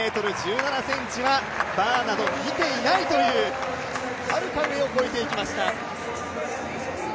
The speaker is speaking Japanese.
２ｍ１７ｃｍはバーなど見ていないというはるか上を越えてきました。